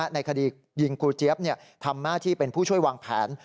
ในคดียิงครูเจี๊ยบทำหน้าที่เป็นผู้ช่วยวางแผน